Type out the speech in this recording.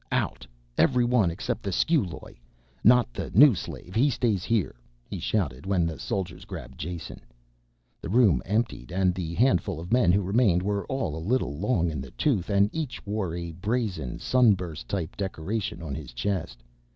Out everyone except the sciuloj. Not the new slave, he stays here," he shouted when the soldiers grabbed Jason. The room emptied and the handful of men who remained were all a little long in the tooth and each wore a brazen, sun burst type decoration on his chest.